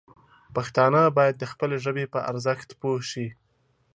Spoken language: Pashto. پښتانه باید د خپلې ژبې په ارزښت پوه شي.